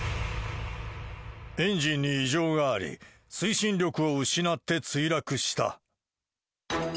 エンジンに異常があり、推進力を失って墜落した。